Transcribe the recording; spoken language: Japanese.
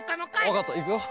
わかったいくよ。